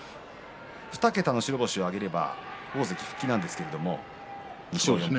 ２桁の白星を挙げれば大関復帰があるんですが２勝４敗。